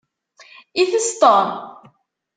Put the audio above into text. Itess Tom?